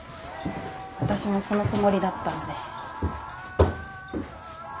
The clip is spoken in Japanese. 私もそのつもりだったんで。